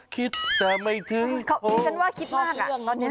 คิดแต่ไม่ถึงเหทียก็คิดกันว่าคิดมากน่ะ